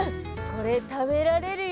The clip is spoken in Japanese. これ食べられるよ。